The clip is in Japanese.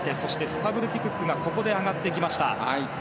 スタブルティ・クックがここで上がってきました。